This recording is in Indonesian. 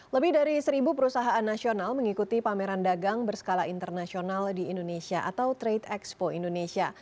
lebih dari seribu perusahaan nasional mengikuti pameran dagang berskala internasional di indonesia atau trade expo indonesia